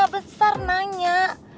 gak besar nanya